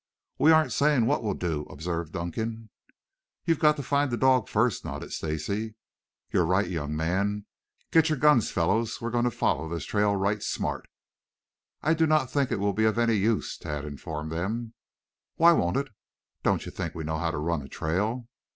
"We aren't saying what we'll do," observed Dunkan. "You've got to find the dog first," nodded Stacy. "You're right, young man. Get your guns, fellows. We'll follow this trail right smart." "I do not think it will be of any use," Tad informed them. "Why won't it? Don't you think we know how to run a trail?"